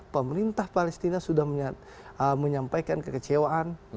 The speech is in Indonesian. pemerintah palestina sudah menyampaikan kekecewaan